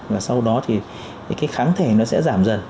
và sau đó thì cái kháng thể nó sẽ giảm dần